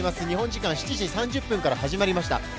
日本時間７時３０分から始まりました。